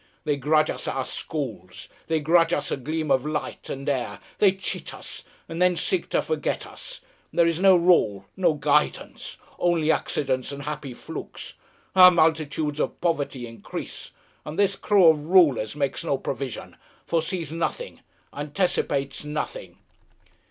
They grudge us our schools, they grudge us a gleam of light and air, they cheat us and then seek to forget us.... There is no rule, no guidance, only accidents and happy flukes.... Our multitudes of poverty increase, and this crew of rulers makes no provision, foresees nothing, anticipates nothing...."